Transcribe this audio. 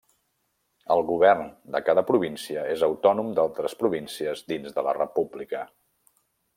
El govern de cada província és autònom d'altres províncies dins de la República.